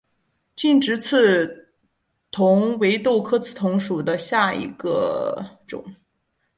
劲直刺桐为豆科刺桐属下的一个种。